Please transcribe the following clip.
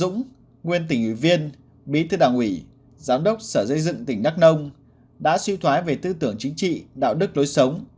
nguyên tỉnh ủy viên bí thư đảng ủy giám đốc sở dây dựng tỉnh đắk nông đã suy thoái về tư tưởng chính trị đạo đức lối sống